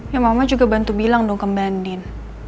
ya mama juga bantu bilang dong ke mbak andin